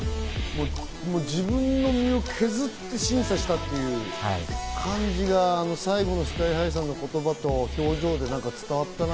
自分の身を削って審査したっていう感じが最後のＳＫＹ−ＨＩさんの言葉と表情で伝わったな。